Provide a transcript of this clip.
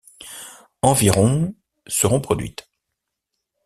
Environ seront produites.